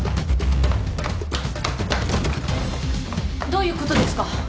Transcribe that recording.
どういうことですか？